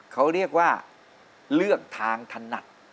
เขาเรียกว่าเลือกทางถนัด